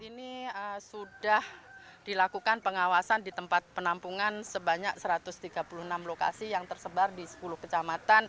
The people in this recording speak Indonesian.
ini sudah dilakukan pengawasan di tempat penampungan sebanyak satu ratus tiga puluh enam lokasi yang tersebar di sepuluh kecamatan